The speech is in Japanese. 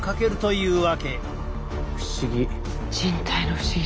不思議。